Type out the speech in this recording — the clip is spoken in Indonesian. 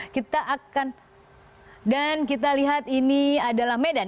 kita akan dan kita lihat ini adalah medan